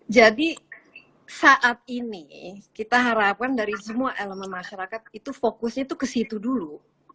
jadi saat ini kita harapkan dari semua elemen masyarakat itu fokusnya itu ke situ dulu